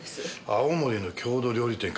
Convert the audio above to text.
青森の郷土料理店か。